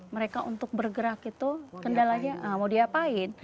mereka untuk bergerak itu kendalanya mau diapain